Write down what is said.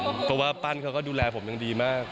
เพราะว่าปั้นเขาก็ดูแลผมอย่างดีมาก